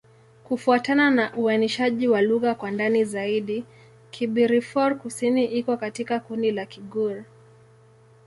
Kufuatana na uainishaji wa lugha kwa ndani zaidi, Kibirifor-Kusini iko katika kundi la Kigur.